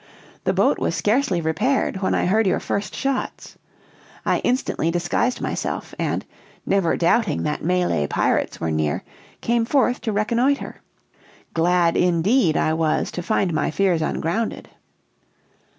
The boat was scarcely repaired when I heard your first shots. I instantly disguised myself; and, never doubting that Malay pirates were near, came forth to reconnoiter. Glad, indeed, I was to find my fears ungrounded."